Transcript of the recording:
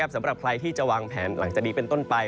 สำหรับใครที่จะวางแผนหลังจากนี้เป็นต้นไป